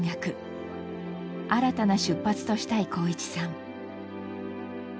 新たな出発としたい航一さん。